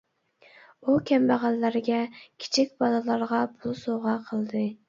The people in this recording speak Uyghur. ئۇ كەمبەغەللەرگە، كىچىك بالىلارغا پۇل سوۋغا قىلدى.